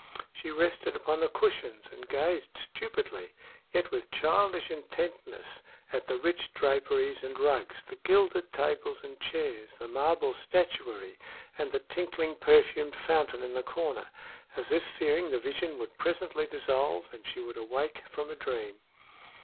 She rested upon the cushions and gazed stupidly, yet with childish intentness, at the rich draperies and rugs, the gilded tables and chairs, the marble statuary and the tinkling perfumed fountain in the corner, as if fearing the vision would presently dissolve and she would awake from a dream.